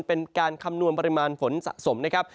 เป็นการคำนวณปริมาณฝนสะสมนะครับ